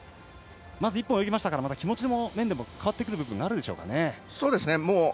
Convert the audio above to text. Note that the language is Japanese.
まず１本泳ぎましたから気持ちの面でも変わってくるところがあるでしょうかね。